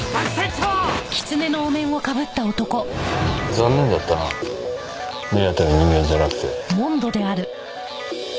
残念だったな目当ての人間じゃなくて。